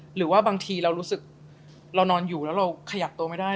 หรือว่าบางทีเรารู้สึกเรานอนอยู่แล้วเราขยับตัวไม่ได้